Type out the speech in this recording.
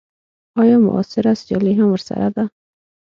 ایا معاصره سیالي هم ورسره ده.